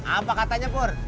apa katanya pur